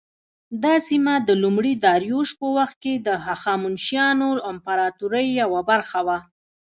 دا سیمه د لومړي داریوش په وخت کې د هخامنشیانو امپراطورۍ یوه برخه وه.